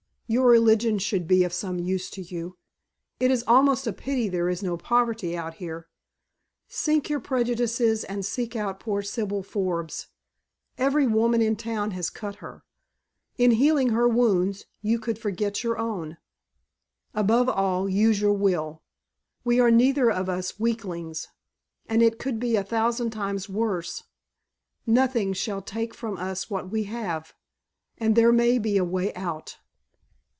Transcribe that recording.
Your religion should be of some use to you. It is almost a pity there is no poverty out here. Sink your prejudices and seek out poor Sibyl Forbes. Every woman in town has cut her. In healing her wounds you could forget your own. Above all, use your will. We are neither of us weaklings, and it could be a thousand times worse. Nothing shall take from us what we have, and there may be a way out."